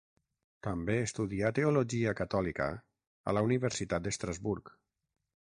També estudià teologia catòlica a la Universitat d'Estrasburg.